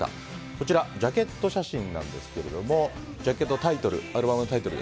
こちらジャケット写真なんですけどもジャケットタイトルアルバムのタイトル